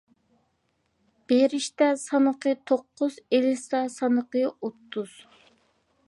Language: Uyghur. بېرىشتە سانىقى توققۇز، ئېلىشتا سانىقى ئوتتۇز.